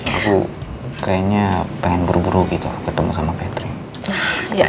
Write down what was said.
aku kayaknya pengen buru buru gitu ketemu sama catering